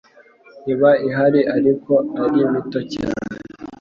iba ihari ariko ari mito cyane